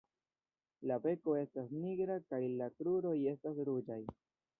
La beko estas nigra kaj la kruroj estas ruĝaj.